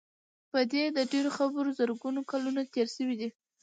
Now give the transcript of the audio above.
په دې ډېرو خبرو زرګونه کلونه تېر شوي دي.